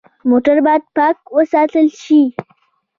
موټر باید پاک وساتل شي.